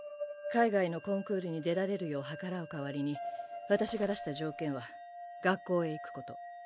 海外のコンクールに出られるよう計らう代わりに私が出した条件は学校へ行くこと。